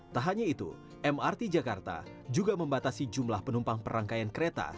tak hanya itu mrt jakarta juga membatasi jumlah penumpang perangkaian kereta